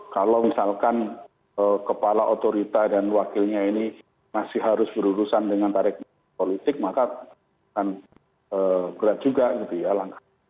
kalau misalkan kepala otorita dan wakilnya ini masih harus berurusan dengan tarik politik maka akan berat juga gitu ya langkah